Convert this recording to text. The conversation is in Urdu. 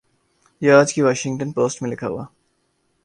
یہ آج کی واشنگٹن پوسٹ میں لکھا ہوا